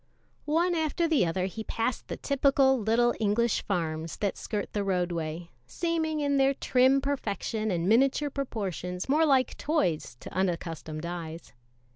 One after the other he passed the typical little English farms that skirt the roadway, seeming in their trim perfection and miniature proportions more like toys to unaccustomed eyes.